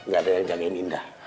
gak ada yang jagain indah